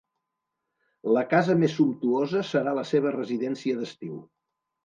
La casa més sumptuosa serà la seva residència d'estiu.